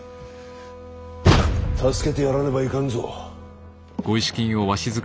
助けてやらねばいかんぞ。